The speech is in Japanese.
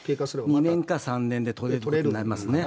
２年か３年で取れることになりますね。